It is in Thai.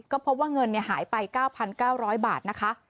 ก็พบว่าเงินหายไป๙๙๐๐บาทนะคะ